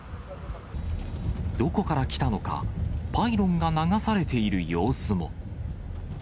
どこから来たのか、パイロンが流されている様子も。